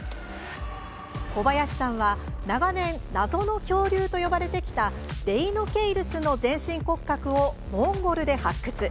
小林さんは、長年謎の恐竜と呼ばれてきたデイノケイルスの全身骨格をモンゴルで発掘。